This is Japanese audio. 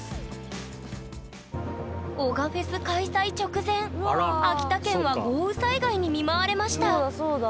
男鹿フェス開催直前秋田県は豪雨災害に見舞われましたそうだそうだ。